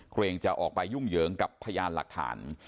เกรงจะออกไปยุ่งเหยิงกับพยานหลักฐาน